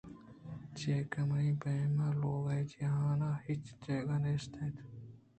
چیا کہ منی پیمیں لوگ اے جہانءَ ہچّ جاگہ نیست